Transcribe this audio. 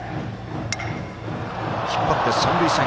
引っ張って、三塁線。